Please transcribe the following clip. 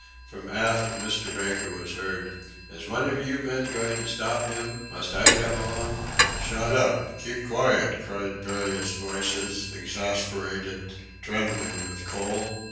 From aft Mr. Baker was heard: "Is one of you men going to stop him must I come along?" "Shut up!"... "Keep quiet!" cried various voices, exasperated, trembling with cold.